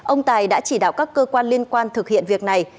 ông tài đã chỉ đạo các cơ quan liên quan thực hiện việc này